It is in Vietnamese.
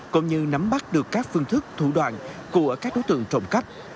cũng như nắm bắt được các phương thức thủ đoạn của các đối tượng trộm cắp